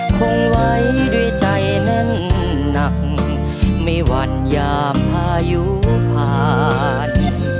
คงไว้ด้วยใจนั้นหนักไม่วันยาพายุผ่าน